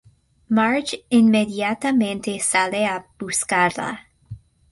Marge inmediatamente sale a buscarla.